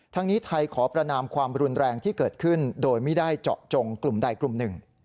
นี้ไทยขอประนามความรุนแรงที่เกิดขึ้นโดยไม่ได้เจาะจงกลุ่มใดกลุ่มหนึ่ง